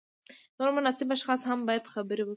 نور مناسب اشخاص هم باید خبر کړي.